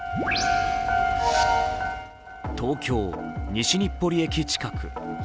東京・西日暮里駅近く。